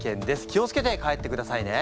気を付けて帰ってくださいね。